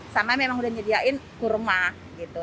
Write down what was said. sama memang udah nyediain kurma gitu